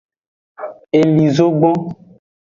Eli zogbon.